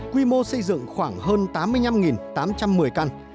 quy mô xây dựng khoảng hơn tám mươi năm tám trăm một mươi căn